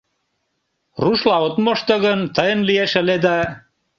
Рушла от мошто гын, тыйын лиеш ыле да...